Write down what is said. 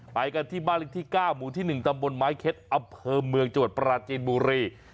ไปกันที่บ้านเล็กที่๙หมู่ที่๑ตำบลไม้เค็ดอำเภอเมืองจังหวัดปราจีนบุรี